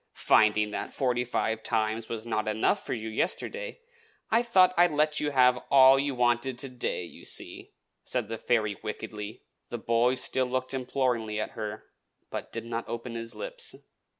"Finding that forty five times was not enough for you yesterday, I thought I would let you have all you wanted to day, you see," said the fairy wickedly. The boy still looked imploringly at her, but did not open his lips.